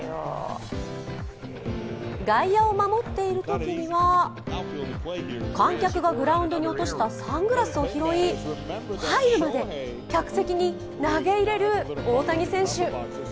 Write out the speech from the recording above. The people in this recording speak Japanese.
外野を守っているときには観客がグラウンドに落としたサングラスを拾い、入るまで客席に投げ入れる大谷選手。